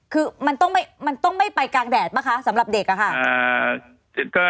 คือมันต้องไม่ไปกลางแดดป่ะคะสำหรับเด็กอะค่ะ